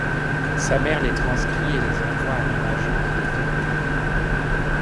Sa mère les transcrit et les envoie à un agent qui les fait publier.